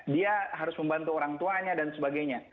dia harus membantu orang tuanya dan sebagainya